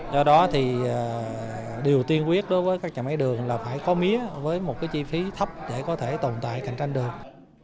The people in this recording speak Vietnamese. do đó thì điều tiên quyết đối với các ngành mía đường là phải có mía với một chi phí thấp để có thể tồn tại cạnh tranh đường